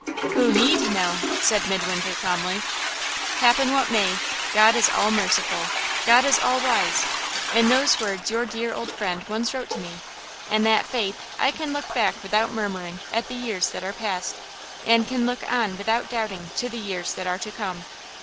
"Who need know?" said Midwinter, calmly. "Happen what may, God is all merciful, God is all wise. In those words your dear old friend once wrote to me. In that faith I can look back without murmuring at the years that are past, and can look on without doubting to the years that are to come."